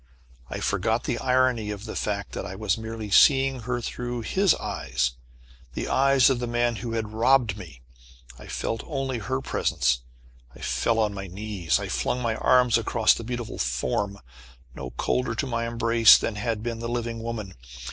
I forgot the irony of the fact that I was merely seeing her through his eyes the eyes of the man who had robbed me. I felt only her presence. I fell on my knees. I flung my arms across the beautiful form no colder to my embrace than had been the living woman!